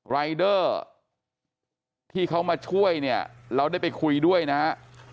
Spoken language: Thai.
รายเดอร์ที่เขามาช่วยเนี่ยเราได้ไปคุยด้วยนะฮะ